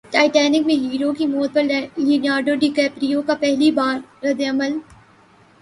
Titanic میں hero کی موت پر لیونارڈو ڈی کیپریو کا پہلی بار ردعمل